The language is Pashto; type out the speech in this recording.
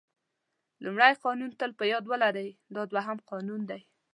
لومړی قانون تل په یاد ولرئ دا دوهم قانون دی.